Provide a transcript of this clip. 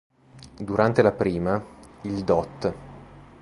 Durante la prima, il dott.